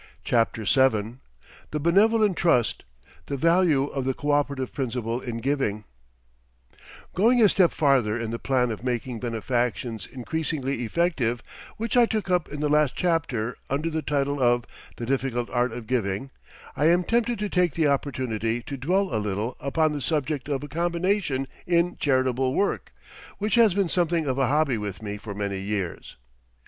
CHAPTER VII THE BENEVOLENT TRUST THE VALUE OF THE COÖPERATIVE PRINCIPLE IN GIVING Going a step farther in the plan of making benefactions increasingly effective which I took up in the last chapter under the title of "The Difficult Art of Giving," I am tempted to take the opportunity to dwell a little upon the subject of combination in charitable work, which has been something of a hobby with me for many years.